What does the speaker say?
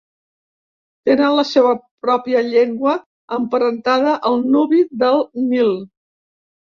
Tenen la seva pròpia llengua emparentada al nubi del Nil.